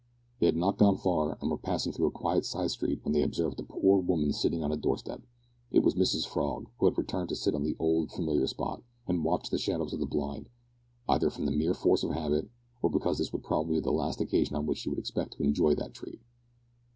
They had not gone far, and were passing through a quiet side street, when they observed a poor woman sitting on a door step. It was Mrs Frog, who had returned to sit on the old familiar spot, and watch the shadows on the blind, either from the mere force of habit, or because this would probably be the last occasion on which she could expect to enjoy that treat.